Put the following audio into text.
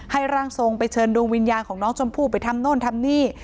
ร่างทรงไปเชิญดวงวิญญาณของน้องชมพู่ไปทำโน่นทำนี่